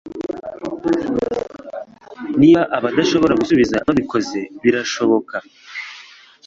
Niba abashobora gusubiza, babikoze birashoboka